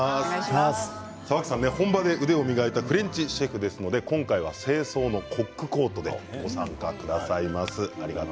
本場で腕を磨いたフレンチシェフですので今回は正装であるコックコートでご参加くださいます。